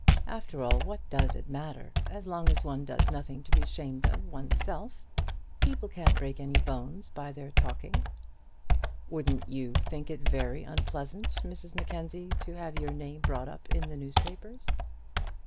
After all, what does it matter as long as one does nothing to be ashamed of oneself? People can't break any bones by their talking." "Wouldn't you think it very unpleasant, Mrs Mackenzie, to have your name brought up in the newspapers?"